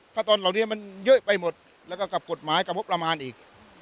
ถ้าตอนเหล่านี้มันเยอะไปหมดแล้วก็กับกฎหมายกับงบประมาณอีก